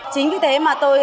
chính vì thế mà tôi mới